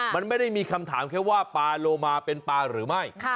มันไม่ได้มีคำถามแค่ว่าปลาโลมาเป็นปลาหรือไม่